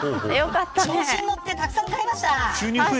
調子に乗ってたくさん買いました。